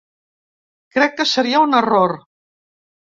Crec que seria un error.